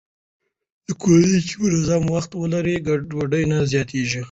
کورنۍ چې منظم وخت ولري، ګډوډي نه زياتېږي.